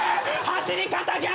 走り方逆！